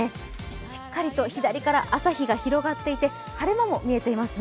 しっかりと左から朝日が広がっていて晴れ間も見えていますね。